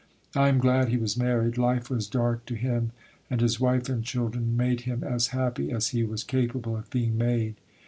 I am glad he was married: life was dark to him, and his wife and children made him as happy as he was capable of being made.